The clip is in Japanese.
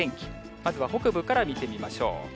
まずは北部から見てみましょう。